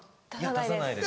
出さないです。